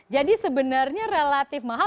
jadi sebenarnya relatif mahal